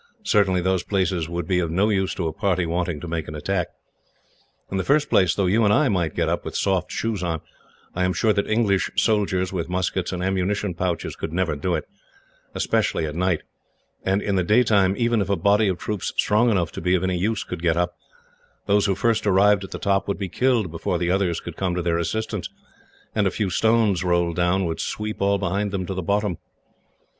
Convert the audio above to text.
Certainly those places would be of no use to a party wanting to make an attack. In the first place, though you and I might get up, with soft shoes on, I am sure that English soldiers, with muskets and ammunition pouches, could never do it, especially at night; and in the daytime, even if a body of troops strong enough to be of any use could get up, those who first arrived at the top would be killed before the others could come to their assistance, and a few stones rolled down would sweep all behind them to the bottom.